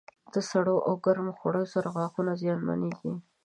د سړو او ګرم خوړو سره غاښونه زیانمنېږي.